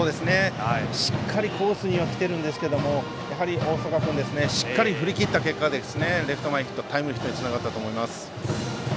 しっかりコースにはきているんですけどやはり大坂君しっかり振りきった結果レフト前ヒットタイムリーにつながったと思います。